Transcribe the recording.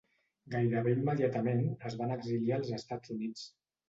Gairebé immediatament es van exiliar als Estats Units.